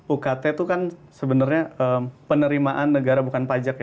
ukt itu kan sebenarnya penerimaan negara bukan pajak ya